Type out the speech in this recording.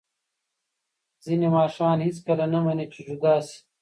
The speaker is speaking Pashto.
ځینې ماشومان هېڅکله نه مني چې جدا شي.